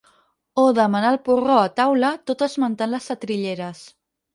O demanar el porró a taula tot esmentant les setrilleres.